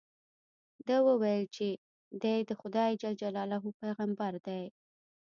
ده وویل چې دې د خدای جل جلاله پیغمبر دی.